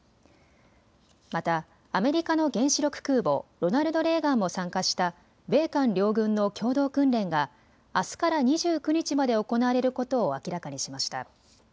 また、アメリカの原子力空母ロナルド・レーガンも参加した米韓両軍の共同訓練があすから２９日まで行われることを明らかにしました。